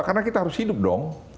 karena kita harus hidup dong